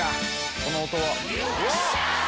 この音。